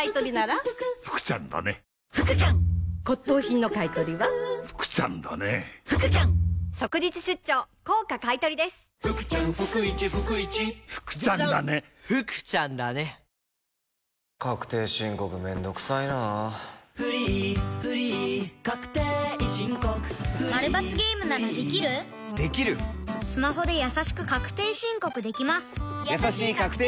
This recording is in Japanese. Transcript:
スマホでやさしく確定申告できます